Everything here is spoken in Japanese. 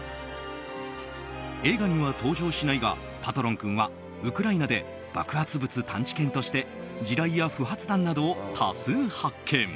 映画には登場しないがパトロン君はウクライナで爆発物探知犬として地雷や不発弾などを多数発見。